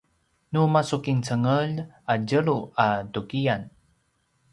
nu masukincengelj a tjelu a tukiyan